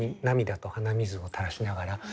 涙と鼻水をたらしながら。